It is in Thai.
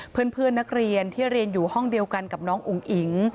เพื่อนนักเรียนที่เรียนอยู่ห้องเดียวกันกับน้องอุ๋งอิ๋ง